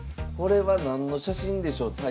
これは何の写真でしょう？